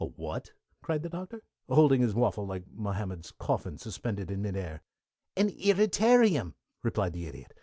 "A what?" cried the Doctor, holding his waffle like Mohammed's coffin, suspended in midair. "An irritarium," repeated the Idiot.